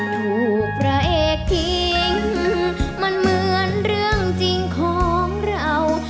ถูกพระเอกทิ้งมันเหมือนเรื่องจริงของเรา